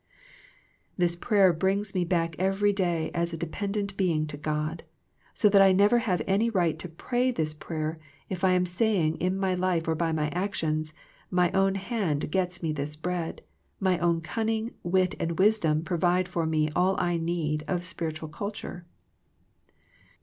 This prayer brings me back every day as a de pendent being to God, so that I have never any right to pray this prayer if I am saying in my life or by my actions, my own hand gets me this bread, my own cunning, wit and wisdom provide for me all I need of spiritual culture.